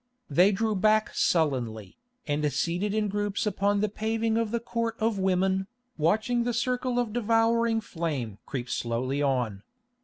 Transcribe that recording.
They drew back sullenly, and seated in groups upon the paving of the Court of Women, watching the circle of devouring flame creep slowly on.